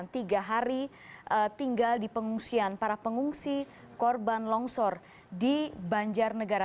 tiga hari tinggal di pengungsian para pengungsi korban longsor di banjarnegara